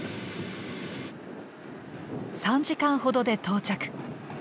３時間ほどで到着。